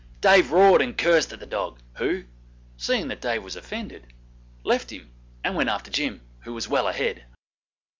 Dave roared and cursed at the dog, who seeing that Dave was offended, left him and went after Jim, who was well ahead.